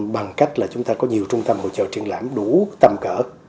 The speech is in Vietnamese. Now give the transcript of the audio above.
bằng cách là chúng ta có nhiều trung tâm hội trợ truyền lãm đủ tầm cỡ